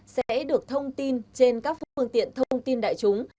sẽ được thông tin trên các phương tiện thông tin đại chúng